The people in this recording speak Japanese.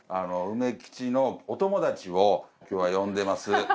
うめ吉のお友達を今日は呼んでます。